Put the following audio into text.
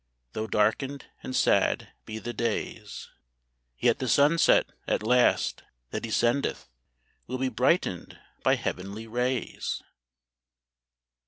Though darkened and sad be the days. Yet the sunset, at last, that He sendeth Will be brightened by heavenly rays.